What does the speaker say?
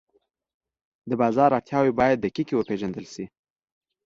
د بازار اړتیاوې باید دقیقې وپېژندل شي.